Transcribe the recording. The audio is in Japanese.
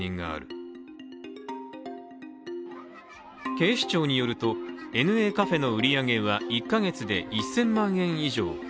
警視庁によると、ＮＡカフェの売り上げは１か月で１０００万円以上。